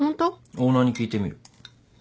オーナーに聞いてみる。